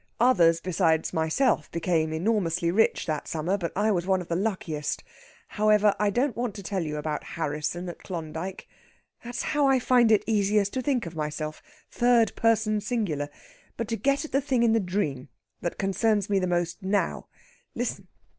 Others besides myself became enormously rich that summer, but I was one of the luckiest. However, I don't want to tell you about Harrisson at Klondyke (that's how I find it easiest to think of myself, third person singular!) but to get at the thing in the dream, that concerns me most now. Listen!...